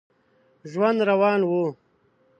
ژوند روان و.